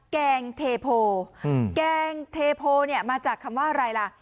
แกงเทโพแกงเทโพเนี่ยมาจากคำว่าอะไรล่ะ